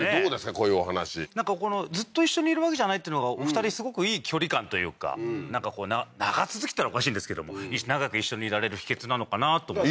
こういうお話なんかこのずっと一緒にいるわけじゃないっていうのがお二人すごくいい距離感というかなんか長続きっていったらおかしいんですけども長く一緒にいられる秘けつなのかなといいっしょ？